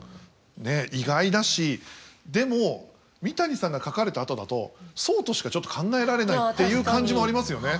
ねえ意外だしでも三谷さんが書かれたあとだとそうとしかちょっと考えられないっていう感じもありますよね。